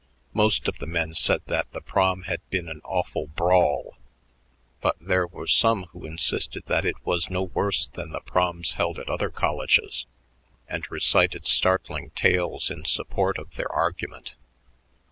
Most of the men said that the Prom had been an "awful brawl," but there were some who insisted that it was no worse than the Proms held at other colleges, and recited startling tales in support of their argument.